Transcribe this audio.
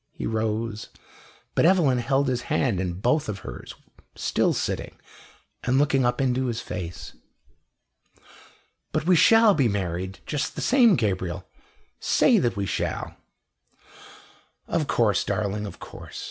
He rose, but Evelyn held his hand in both of hers, still sitting and looking up into his face. "But we shall be married, just the same Gabriel! Say that we shall!" "Of course, darling of course.